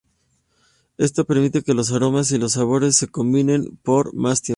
Esto permite que los aromas y los sabores se combinen por más tiempo.